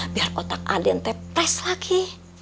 biar otak aden tepres lagi